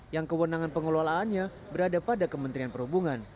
yang kewenangan pengelolaannya berada pada kementerian perhubungan